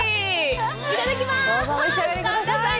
いただきます！